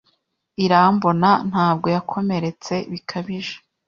Irambona ntabwo yakomeretse bikabije.